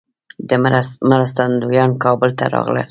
مرستندویان کابل ته راغلل.